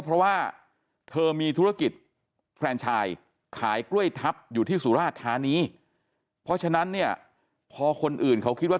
เพราะว่าเธอมีธุรกิจแฟนชายขายกล้วยทับอยู่ที่สุราชธานีเพราะฉะนั้นเนี่ยพอคนอื่นเขาคิดว่า